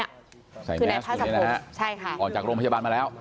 ออกจากโรงพยาบาลมาแล้ว